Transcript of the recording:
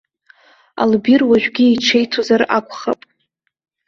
Албир уажәгьы иҽеиҭозар акәхап.